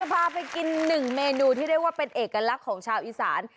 พาไปกินหนึ่งเมนูที่เรียกว่าเป็นเอกลักษณ์ของชาวอีสาน